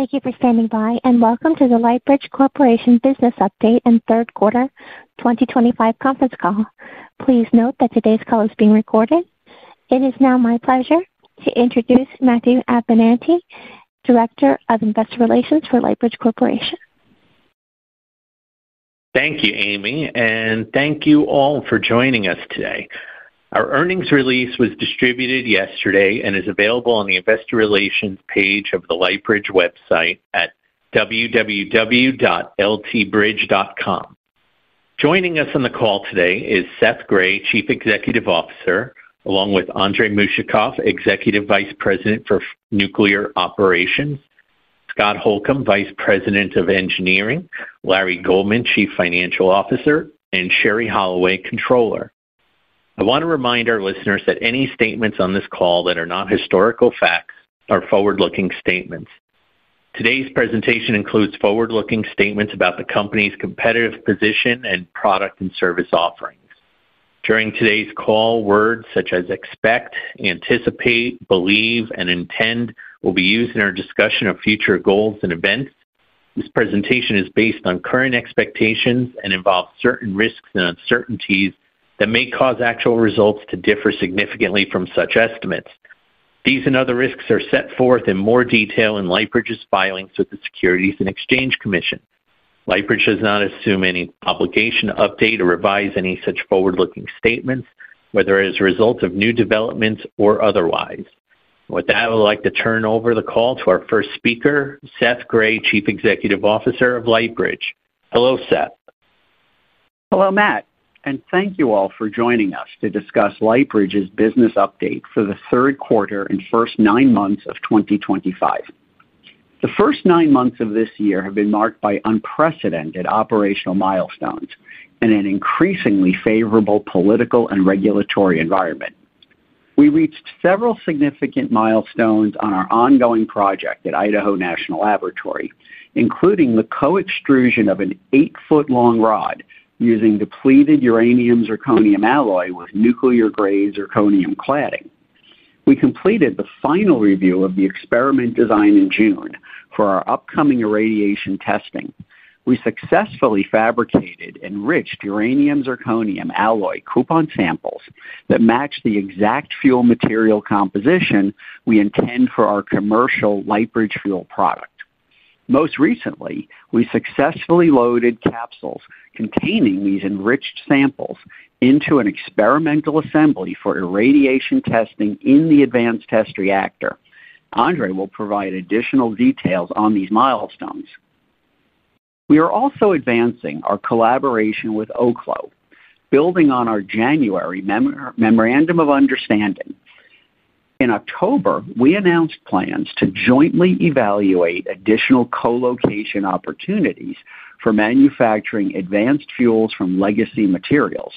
Thank you for standing by, and welcome to the Lightbridge Corporation business update and third quarter 2025 conference call. Please note that today's call is being recorded. It is now my pleasure to introduce Matthew Abenante, Director of Investor Relations for Lightbridge Corporation. Thank you, Amy, and thank you all for joining us today. Our earnings release was distributed yesterday and is available on the Investor Relations page of the Lightbridge website at www.ltbridge.com. Joining us on the call today is Seth Grae, Chief Executive Officer, along with Andrey Mushakov, Executive Vice President for Nuclear Operations, Scott Holcombe, Vice President of Engineering, Larry Goldman, Chief Financial Officer, and Sherrie Holloway, Controller. I want to remind our listeners that any statements on this call that are not historical facts are forward-looking statements. Today's presentation includes forward-looking statements about the company's competitive position and product and service offerings. During today's call, words such as expect, anticipate, believe, and intend will be used in our discussion of future goals and events. This presentation is based on current expectations and involves certain risks and uncertainties that may cause actual results to differ significantly from such estimates. These and other risks are set forth in more detail in Lightbridge's filings with the Securities and Exchange Commission. Lightbridge does not assume any obligation to update or revise any such forward-looking statements, whether as a result of new developments or otherwise. With that, I would like to turn over the call to our first speaker, Seth Grae, Chief Executive Officer of Lightbridge. Hello, Seth. Hello, Matt, and thank you all for joining us to discuss Lightbridge's business update for the third quarter and first nine months of 2025. The first nine months of this year have been marked by unprecedented operational milestones and an increasingly favorable political and regulatory environment. We reached several significant milestones on our ongoing project at Idaho National Laboratory, including the co-extrusion of an eight-foot-long rod using depleted uranium zirconium alloy with nuclear-grade zirconium cladding. We completed the final review of the experiment design in June for our upcoming irradiation testing. We successfully fabricated enriched uranium zirconium alloy coupon samples that match the exact fuel material composition we intend for our commercial Lightbridge Fuel product. Most recently, we successfully loaded capsules containing these enriched samples into an experimental assembly for irradiation testing in the Advanced Test Reactor. Andrey will provide additional details on these milestones. We are also advancing our collaboration with Oklo, building on our January Memorandum of Understanding. In October, we announced plans to jointly evaluate additional co-location opportunities for manufacturing advanced fuels from legacy materials,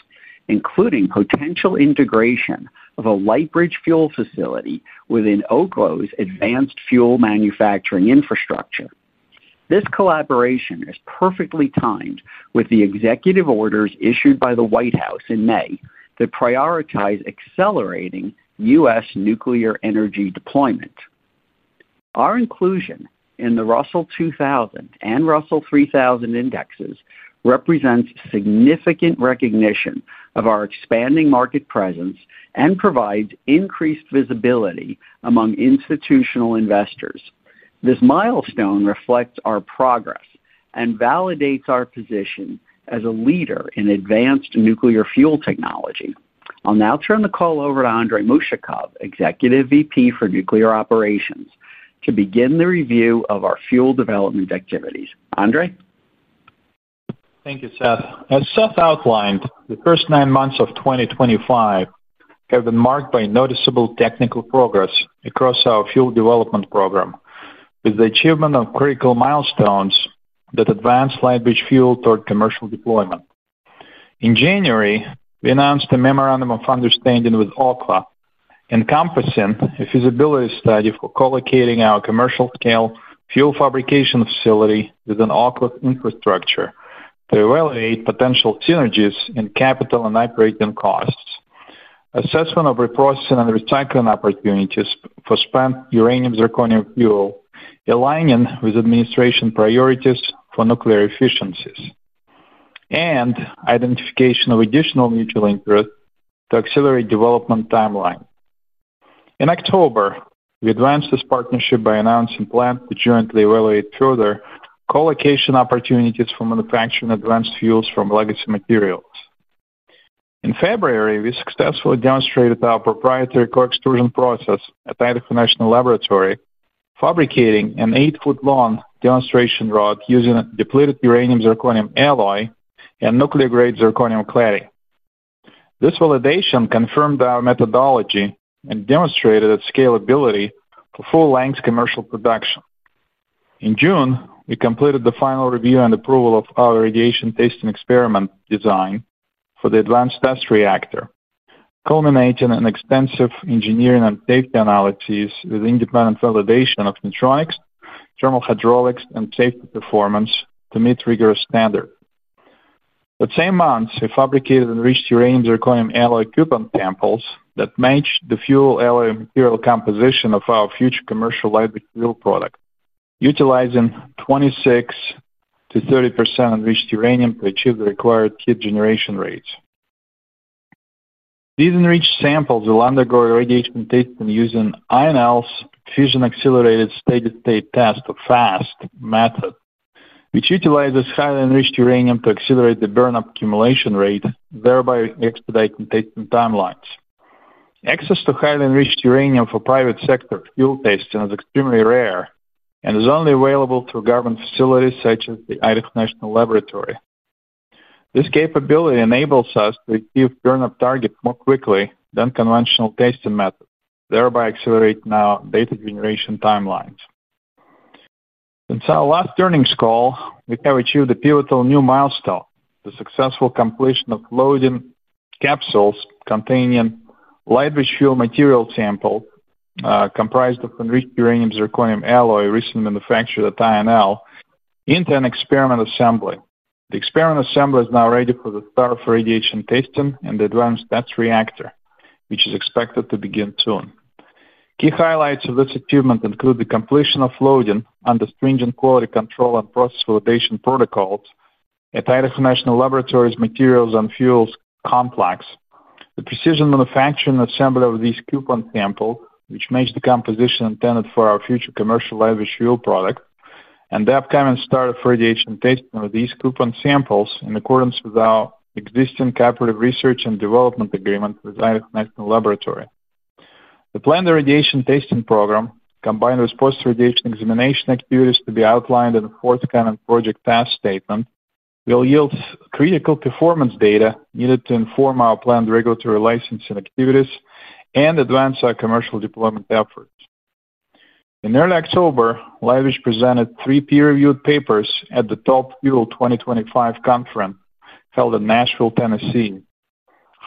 including potential integration of a Lightbridge Fuel facility within Oklo's advanced fuel manufacturing infrastructure. This collaboration is perfectly timed with the executive orders issued by the White House in May that prioritize accelerating U.S. nuclear energy deployment. Our inclusion in the Russell 2000 and Russell 3000 indexes represents significant recognition of our expanding market presence and provides increased visibility among institutional investors. This milestone reflects our progress and validates our position as a leader in advanced nuclear fuel technology. I'll now turn the call over to Andrey Mushakov, Executive Vice President for Nuclear Operations, to begin the review of our fuel development activities. Andrey? Thank you, Seth. As Seth outlined, the first nine months of 2025 have been marked by noticeable technical progress across our fuel development program, with the achievement of critical milestones that advance Lightbridge Fuel toward commercial deployment. In January, we announced a Memorandum of Understanding with Oklo, encompassing a feasibility study for co-locating our commercial-scale fuel fabrication facility within Oklo's infrastructure to evaluate potential synergies in capital and operating costs, assessment of reprocessing and recycling opportunities for spent uranium zirconium fuel aligning with administration priorities for nuclear efficiencies, and identification of additional mutual interest to accelerate development timeline. In October, we advanced this partnership by announcing plans to jointly evaluate further co-location opportunities for manufacturing advanced fuels from legacy materials. In February, we successfully demonstrated our proprietary co-extrusion process at Idaho National Laboratory, fabricating an eight-foot-long demonstration rod using depleted uranium zirconium alloy and nuclear-grade zirconium cladding. This validation confirmed our methodology and demonstrated its scalability for full-length commercial production. In June, we completed the final review and approval of our irradiation testing experiment design for the Advanced Test Reactor, culminating in extensive engineering and safety analyses with independent validation of neutronics, thermal hydraulics, and safety performance to meet rigorous standards. That same month, we fabricated enriched uranium zirconium alloy coupon samples that matched the fuel alloy material composition of our future commercial Lightbridge Fuel product, utilizing 26%-30% enriched uranium to achieve the required heat generation rates. These enriched samples will undergo irradiation testing using INL's Fission-Accelerated State-to-State Test or FAST Method, which utilizes highly enriched uranium to accelerate the burn-up accumulation rate, thereby expediting testing timelines. Access to highly enriched uranium for private sector fuel testing is extremely rare and is only available through government facilities such as the Idaho National Laboratory. This capability enables us to achieve burn-up targets more quickly than conventional testing methods, thereby accelerating our data generation timelines. Since our last earnings call, we have achieved a pivotal new milestone: the successful completion of loading capsules containing Lightbridge fuel material samples, comprised of enriched uranium zirconium alloy recently manufactured at Idaho National Laboratory, into an experiment assembly. The experiment assembly is now ready for the start of irradiation testing in the Advanced Test Reactor, which is expected to begin soon. Key highlights of this achievement include the completion of loading under stringent quality control and process validation protocols at Idaho National Laboratory's Materials and Fuels Complex, the precision manufacturing assembly of these coupon samples, which match the composition intended for our future commercial Lightbridge Fuel product, and the upcoming start of irradiation testing of these coupon samples in accordance with our existing cooperative research and development agreement with Idaho National Laboratory. The planned irradiation testing program, combined with post-irradiation examination activities to be outlined in the fourth common project task statement, will yield critical performance data needed to inform our planned regulatory licensing activities and advance our commercial deployment efforts. In early October, Lightbridge presented three peer-reviewed papers at the Top Fuel 2025 conference held in Nashville, Tennessee,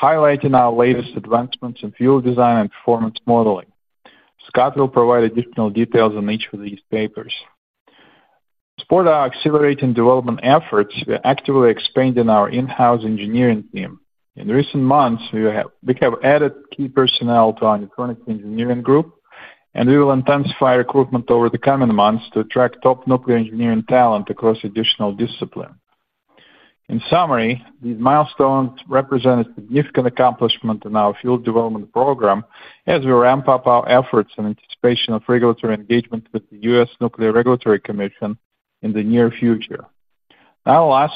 highlighting our latest advancements in fuel design and performance modeling. Scott will provide additional details on each of these papers. To support our accelerating development efforts, we are actively expanding our in-house engineering team. In recent months, we have added key personnel to our new clinical engineering group, and we will intensify recruitment over the coming months to attract top nuclear engineering talent across additional disciplines. In summary, these milestones represent a significant accomplishment in our fuel development program as we ramp up our efforts in anticipation of regulatory engagement with the U.S. Nuclear Regulatory Commission in the near future. Now I'll ask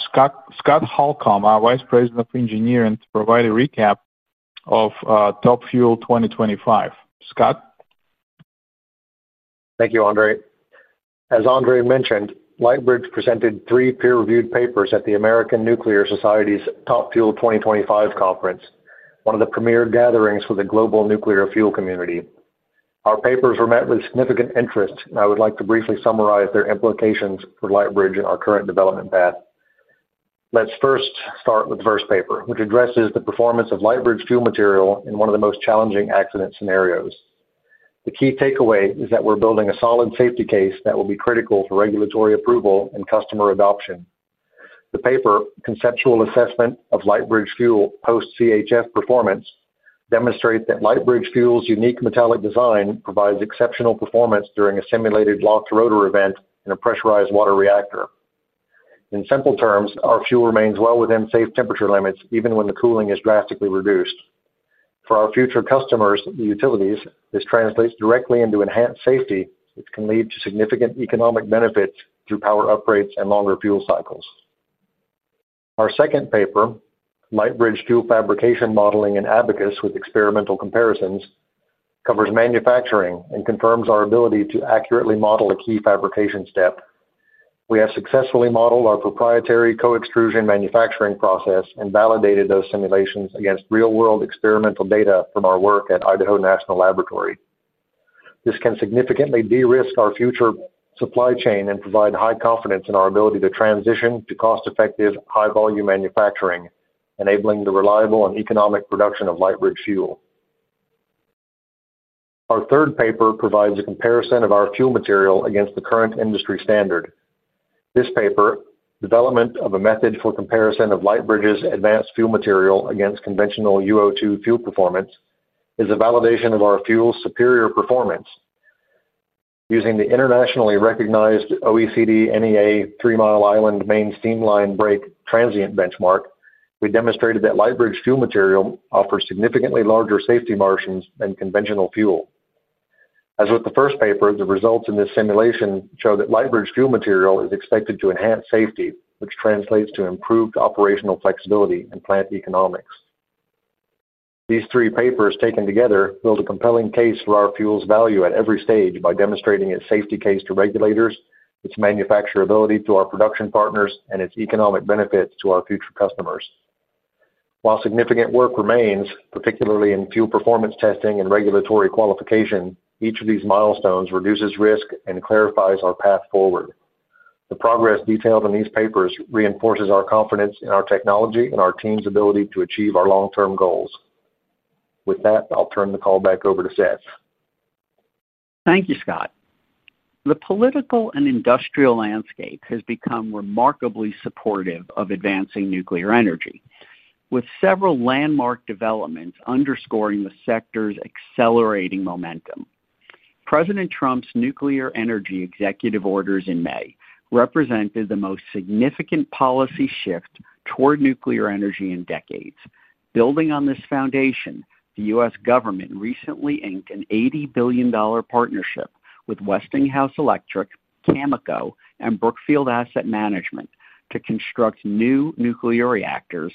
Scott Holcombe, our Vice President of Engineering, to provide a recap of Top Fuel 2025. Scott. Thank you, Andrey. As Andrey mentioned, Lightbridge presented three peer-reviewed papers at the American Nuclear Society's Top Fuel 2025 conference, one of the premier gatherings for the global nuclear fuel community. Our papers were met with significant interest, and I would like to briefly summarize their implications for Lightbridge and our current development path. Let's first start with the first paper, which addresses the performance of Lightbridge fuel material in one of the most challenging accident scenarios. The key takeaway is that we're building a solid safety case that will be critical for regulatory approval and customer adoption. The paper, "Conceptual Assessment of Lightbridge Fuel Post-CHF Performance," demonstrates that Lightbridge fuel's unique metallic design provides exceptional performance during a simulated locked rotor event in a pressurized water reactor. In simple terms, our fuel remains well within safe temperature limits even when the cooling is drastically reduced. For our future customers and utilities, this translates directly into enhanced safety, which can lead to significant economic benefits through power upgrades and longer fuel cycles. Our second paper, "Lightbridge Fuel Fabrication Modeling in Abacus with Experimental Comparisons," covers manufacturing and confirms our ability to accurately model a key fabrication step. We have successfully modeled our proprietary co-extrusion manufacturing process and validated those simulations against real-world experimental data from our work at Idaho National Laboratory. This can significantly de-risk our future supply chain and provide high confidence in our ability to transition to cost-effective, high-volume manufacturing, enabling the reliable and economic production of Lightbridge Fuel. Our third paper provides a comparison of our fuel material against the current industry standard. This paper, "Development of a Method for Comparison of Lightbridge's Advanced Fuel Material Against Conventional UO2 Fuel Performance," is a validation of our fuel's superior performance. Using the internationally recognized OECD NEA Three Mile Island Main Steam Line Break Transient Benchmark, we demonstrated that Lightbridge fuel material offers significantly larger safety margins than conventional fuel. As with the first paper, the results in this simulation show that Lightbridge fuel material is expected to enhance safety, which translates to improved operational flexibility and plant economics. These three papers taken together build a compelling case for our fuel's value at every stage by demonstrating its safety case to regulators, its manufacturability to our production partners, and its economic benefits to our future customers. While significant work remains, particularly in fuel performance testing and regulatory qualification, each of these milestones reduces risk and clarifies our path forward. The progress detailed in these papers reinforces our confidence in our technology and our team's ability to achieve our long-term goals. With that, I'll turn the call back over to Seth. Thank you, Scott. The political and industrial landscape has become remarkably supportive of advancing nuclear energy, with several landmark developments underscoring the sector's accelerating momentum. President Trump's nuclear energy executive orders in May represented the most significant policy shift toward nuclear energy in decades. Building on this foundation, the U.S. government recently inked an $80 billion partnership with Westinghouse Electric, Cameco, and Brookfield Asset Management to construct new nuclear reactors,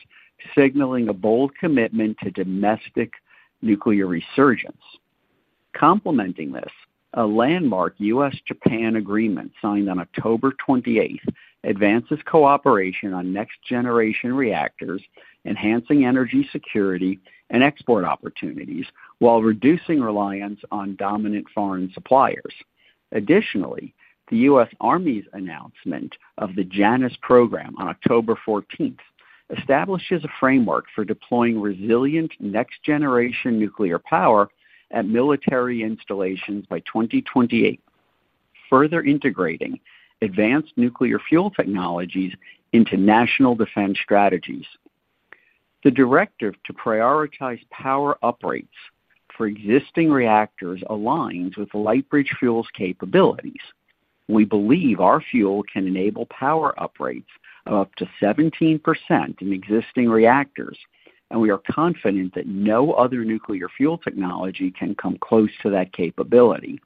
signaling a bold commitment to domestic nuclear resurgence. Complementing this, a landmark U.S.-Japan agreement signed on October 28 advances cooperation on next-generation reactors, enhancing energy security and export opportunities while reducing reliance on dominant foreign suppliers. Additionally, the U.S. Army's announcement of the Janus Program on October 14 establishes a framework for deploying resilient next-generation nuclear power at military installations by 2028, further integrating advanced nuclear fuel technologies into national defense strategies. The directive to prioritize power upgrades for existing reactors aligns with Lightbridge Fuel's capabilities. We believe our fuel can enable power upgrades of up to 17% in existing reactors, and we are confident that no other nuclear fuel technology can come close to that capability.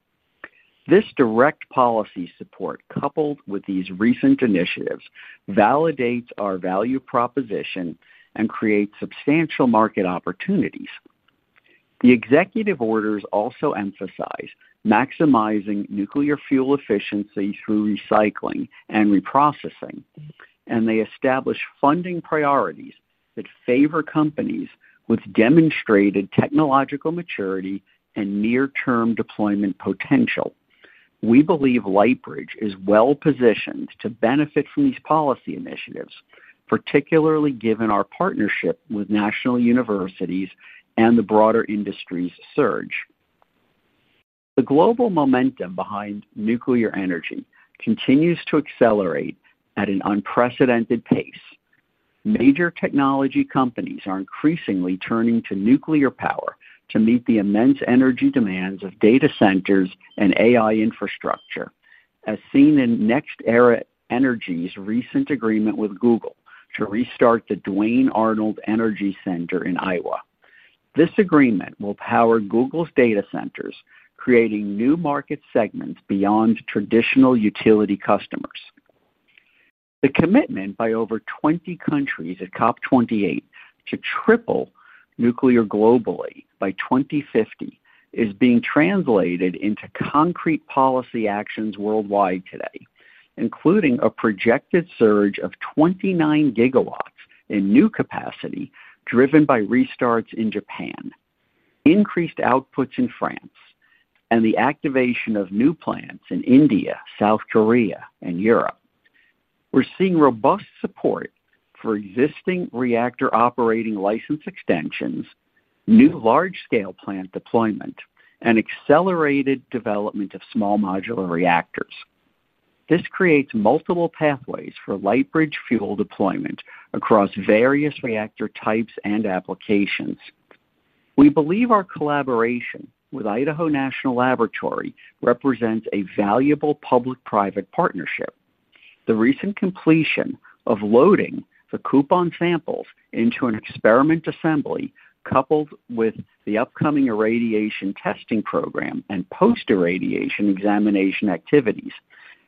This direct policy support, coupled with these recent initiatives, validates our value proposition and creates substantial market opportunities. The executive orders also emphasize maximizing nuclear fuel efficiency through recycling and reprocessing, and they establish funding priorities that favor companies with demonstrated technological maturity and near-term deployment potential. We believe Lightbridge is well-positioned to benefit from these policy initiatives, particularly given our partnership with national universities and the broader industry's surge. The global momentum behind nuclear energy continues to accelerate at an unprecedented pace. Major technology companies are increasingly turning to nuclear power to meet the immense energy demands of data centers and AI infrastructure, as seen in NextEra Energy's recent agreement with Google to restart the Duane Arnold Energy Center in Iowa. This agreement will power Google's data centers, creating new market segments beyond traditional utility customers. The commitment by over 20 countries at COP28 to triple nuclear globally by 2050 is being translated into concrete policy actions worldwide today, including a projected surge of 29 GW in new capacity driven by restarts in Japan, increased outputs in France, and the activation of new plants in India, South Korea, and Europe. We're seeing robust support for existing reactor operating license extensions, new large-scale plant deployment, and accelerated development of small modular reactors. This creates multiple pathways for Lightbridge Fuel deployment across various reactor types and applications. We believe our collaboration with Idaho National Laboratory represents a valuable public-private partnership. The recent completion of loading the coupon samples into an experiment assembly, coupled with the upcoming irradiation testing program and post-irradiation examination activities,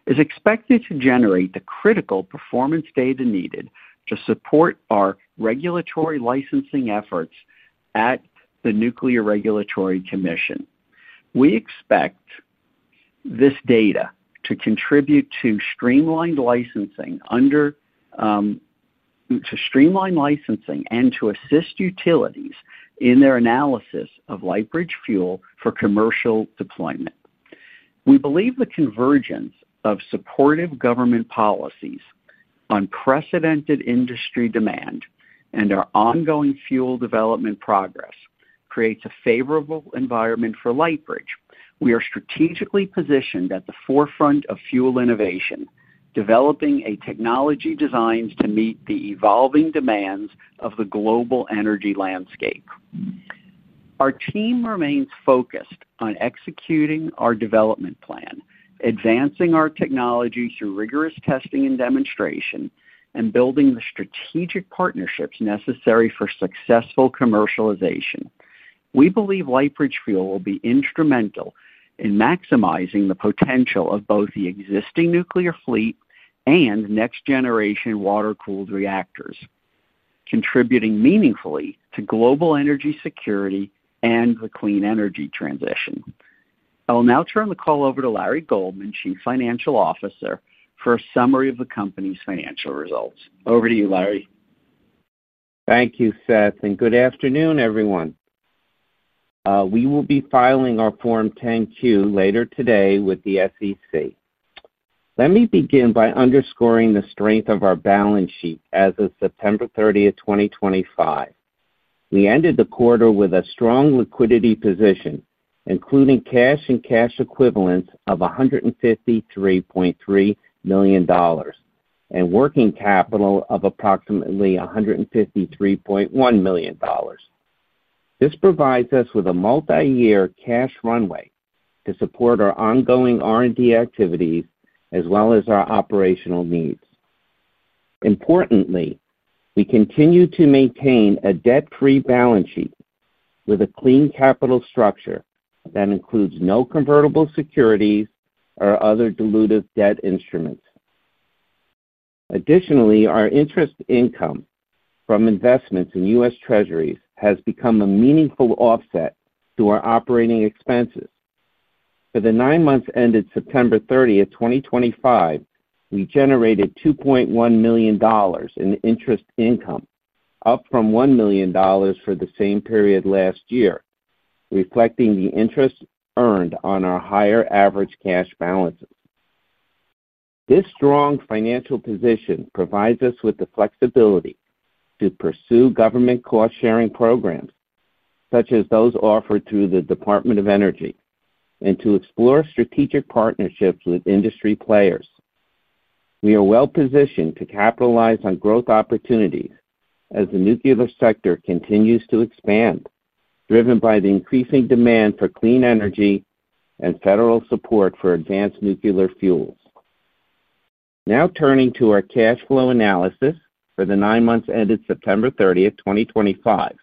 is expected to generate the critical performance data needed to support our regulatory licensing efforts at the U.S. Nuclear Regulatory Commission. We expect this data to contribute to streamlined licensing and to assist utilities in their analysis of Lightbridge Fuel for commercial deployment. We believe the convergence of supportive government policies, unprecedented industry demand, and our ongoing fuel development progress creates a favorable environment for Lightbridge. We are strategically positioned at the forefront of fuel innovation, developing technology designs to meet the evolving demands of the global energy landscape. Our team remains focused on executing our development plan, advancing our technology through rigorous testing and demonstration, and building the strategic partnerships necessary for successful commercialization. We believe Lightbridge Fuel will be instrumental in maximizing the potential of both the existing nuclear fleet and next-generation water-cooled reactors, contributing meaningfully to global energy security and the clean energy transition. I'll now turn the call over to Larry Goldman, Chief Financial Officer, for a summary of the company's financial results. Over to you, Larry. Thank you, Seth, and good afternoon, everyone. We will be filing our Form 10-Q later today with the U.S. Securities and Exchange Commission. Let me begin by underscoring the strength of our balance sheet as of September 30th, 2025. We ended the quarter with a strong liquidity position, including cash and cash equivalents of $153.3 million and working capital of approximately $153.1 million. This provides us with a multi-year cash runway to support our ongoing R&D activities as well as our operational needs. Importantly, we continue to maintain a debt-free balance sheet with a clean capital structure that includes no convertible securities or other dilutive debt instruments. Additionally, our interest income from investments in U.S. Treasuries has become a meaningful offset to our operating expenses. For the nine months ended September 30th, 2025, we generated $2.1 million in interest income, up from $1 million for the same period last year, reflecting the interest earned on our higher average cash balances. This strong financial position provides us with the flexibility to pursue government cost-sharing programs such as those offered through the Department of Energy and to explore strategic partnerships with industry players. We are well-positioned to capitalize on growth opportunities as the nuclear sector continues to expand, driven by the increasing demand for clean energy and federal support for advanced nuclear fuels. Now turning to our cash flow analysis for the nine months ended September 30th, 2025.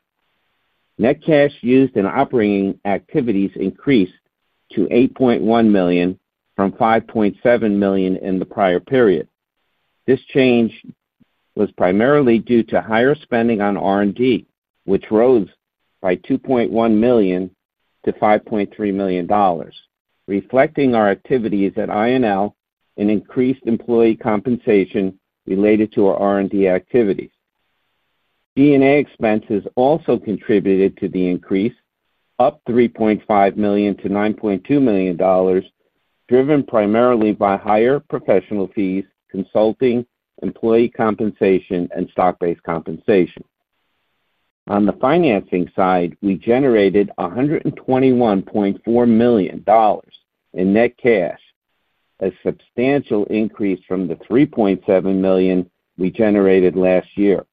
Net cash used in operating activities increased to $8.1 million from $5.7 million in the prior period. This change was primarily due to higher spending on R&D, which rose by $2.1 million to $5.3 million, reflecting our activities at Idaho National Laboratory and increased employee compensation related to our R&D activities. G&A expenses also contributed to the increase, up $3.5 million to $9.2 million. Driven primarily by higher professional fees, consulting, employee compensation, and stock-based compensation. On the financing side, we generated $121.4 million in net cash. A substantial increase from the $3.7 million we generated last year.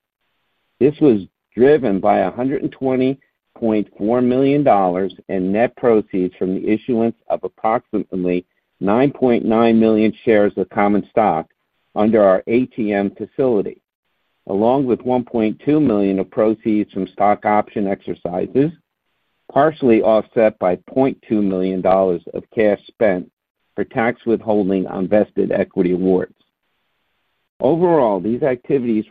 This was driven by $120.4 million in net proceeds from the issuance of approximately 9.9 million shares of common stock under our ATM facility, along with $1.2 million of proceeds from stock option exercises, partially offset by $0.2 million of cash spent for tax withholding on vested equity awards. Overall, these activities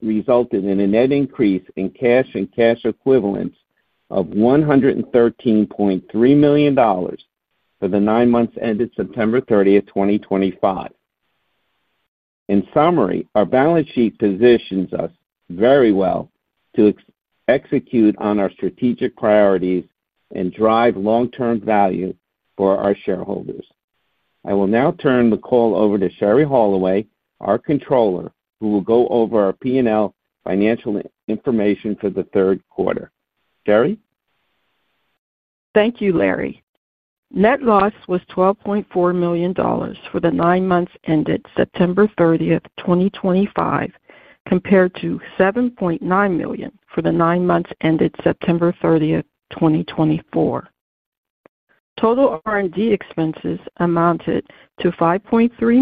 resulted in a net increase in cash and cash equivalents of $113.3 million. For the nine months ended September 30th, 2025. In summary, our balance sheet positions us very well to execute on our strategic priorities and drive long-term value for our shareholders. I will now turn the call over to Sherrie Holloway, our Controller, who will go over our P&L financial information for the third quarter. Sherrie? Thank you, Larry. Net loss was $12.4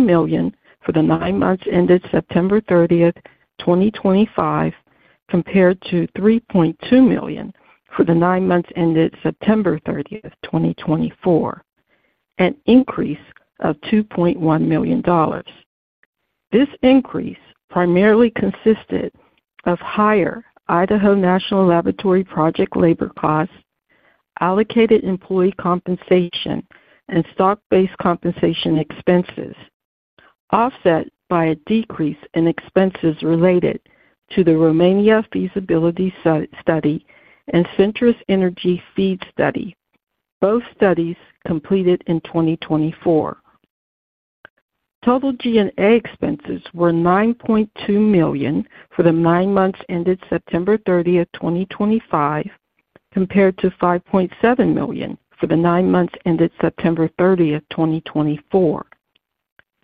million for the nine months ended September 30th, 2025, compared to $7.9 million for the nine months ended September 30th, 2024. Total R&D expenses amounted to $5.3 million for the nine months ended September 30th, 2025, compared to $3.2 million for the nine months ended September 30th, 2024, an increase of $2.1 million. This increase primarily consisted of higher Idaho National Laboratory project labor costs, allocated employee compensation, and stock-based compensation expenses, offset by a decrease in expenses related to the Romania feasibility study and Centrus Energy FEED study, both studies completed in 2024. Total G&A expenses were $9.2 million for the nine months ended September 30, 2025, compared to $5.7 million for the nine months ended September 30th, 2024.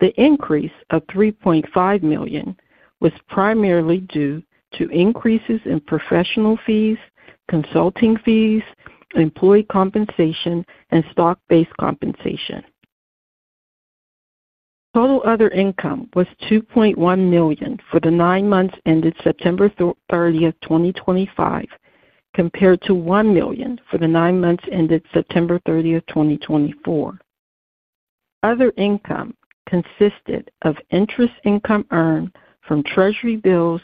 The increase of $3.5 million was primarily due to increases in professional fees, consulting fees, employee compensation, and stock-based compensation. Total other income was $2.1 million for the nine months ended September 30, 2025, compared to $1 million for the nine months ended September 30th, 2024. Other income consisted of interest income earned from Treasury bills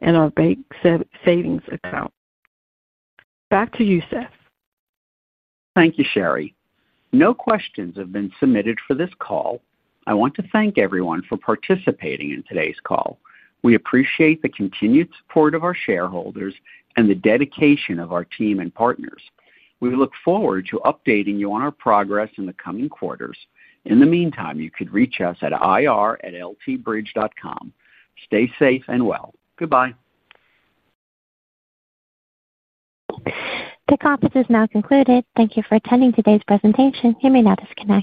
and our bank savings account. Back to you, Seth. Thank you, Sherrie. No questions have been submitted for this call. I want to thank everyone for participating in today's call. We appreciate the continued support of our shareholders and the dedication of our team and partners. We look forward to updating you on our progress in the coming quarters. In the meantime, you could reach us at ir@ltbridge.com. Stay safe and well. Goodbye. This conference is now concluded. Thank you for attending today's presentation. You may now disconnect.